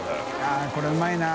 あっこれうまいな。